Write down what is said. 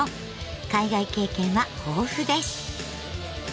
海外経験は豊富です。